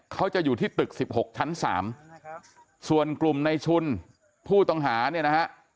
เขาจะอยู่ที่ตึก๑๖ชั้น๓ส่วนกลุ่มในชุนผู้ต้องหาเนี่ยนะฮะ